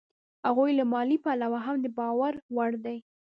هغوی له مالي پلوه هم د باور وړ دي